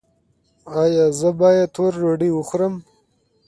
ایا زه باید توره ډوډۍ وخورم؟